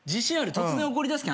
突然怒りだすけ。